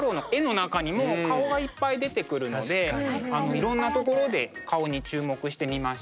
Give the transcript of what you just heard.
いろんなところで顔に注目してみました。